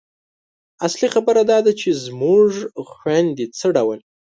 اصلي خبره دا ده چې زموږ خویندې څه ډول